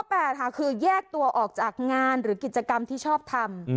๘ค่ะคือแยกตัวออกจากงานหรือกิจกรรมที่ชอบทำ